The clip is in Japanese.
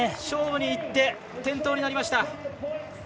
勝負にいって転倒になりました。